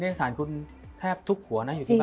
มันทำให้ชีวิตผู้มันไปไม่รอด